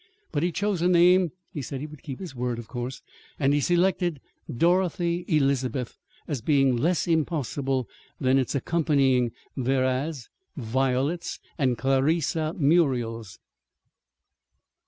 But he chose a name (he said he would keep his word, of course), and he selected "Dorothy Elizabeth" as being less impossible than its accompanying "Veras," "Violets," and "Clarissa Muriels."